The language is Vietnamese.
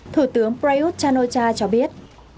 thủ tướng prayuth chan o cha cho biết